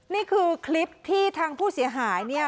นี่คือคลิปที่ทางผู้เสียหายเนี่ย